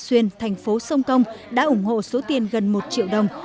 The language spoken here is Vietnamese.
xuyên thành phố sông công đã ủng hộ số tiền gần một triệu đồng